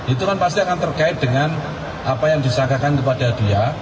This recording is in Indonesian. itu kan pasti akan terkait dengan apa yang disangkakan kepada dia